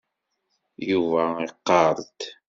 Yuba iqarr-d.